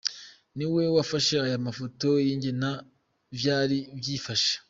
Niwe yafashe aya mafoto y'ingene vyari vyifashe.